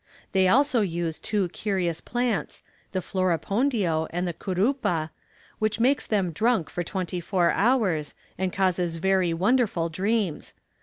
They also use two curious plants, the floripondio and the curupa, which makes them drunk for twenty four hours, and causes very wonderful dreams.